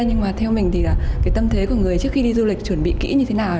nhưng mà theo mình thì cái tâm thế của người trước khi đi du lịch chuẩn bị kỹ như thế nào